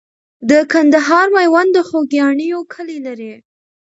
د کندهار میوند د خوګیاڼیو کلی لري.